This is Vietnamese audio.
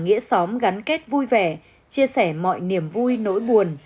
nghĩa xóm gắn kết vui vẻ chia sẻ mọi niềm vui nỗi buồn